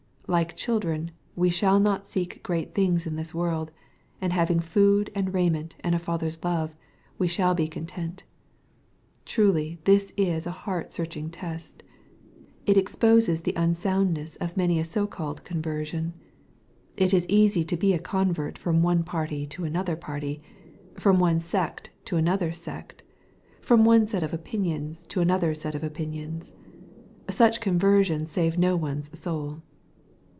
Like children, we shall not seek great things in this world ; and having food and raiment and a Father's love, we shall be con tent. Truly this is a heart searching test ! It exposes the unsoundness of many a so called conversion. It is easy to be a convert from one party to another party, from one sect to another sect, from one set of opinions to another set of opinions. Such conversions save no one's soul.